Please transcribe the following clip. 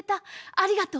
ありがとう。